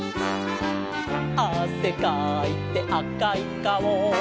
「あせかいてあかいかお」